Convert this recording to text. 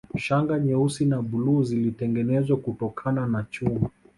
Shanga nyeusi na bluu zilitengenezwa kutokana na chuma